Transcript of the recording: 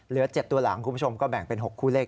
เหลือ๗ตัวหลังคุณผู้ชมก็แบ่งเป็น๖คู่เลข